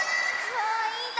わいいな。